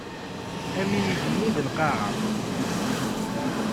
Am yigenni d lqaɛa.